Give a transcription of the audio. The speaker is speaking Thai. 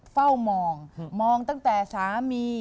เฝ้ามองมองตั้งแต่สามี